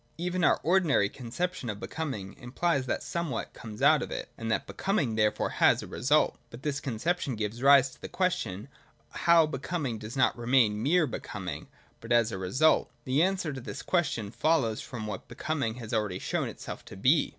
|Even our ordinary conception of Becoming implies that somewhat comes out of it, and that Becoming therefore has a result. But this conception gives rise to the question, how Becoming does not remain mere Becoming, but has a re sult .' The answer to this question follows from what Be coming has already shown itself to be.